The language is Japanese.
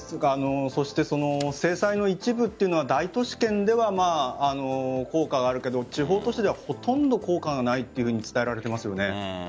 そして制裁の一部は大都市圏では効果はあるけど地方都市ではほとんど効果がないと伝えられていますよね。